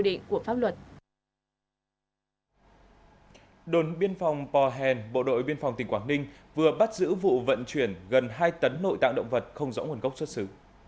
đồn biên phòng po hèn bộ đội biên phòng tỉnh quảng ninh vừa bắt giữ vụ vận chuyển gần hai tấn nội tạng động vật không rõ nguồn gốc xuất xứ